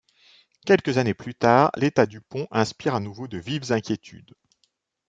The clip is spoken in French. Quelques années plus tard, l'état du pont inspire à nouveau de vives inquiétudes.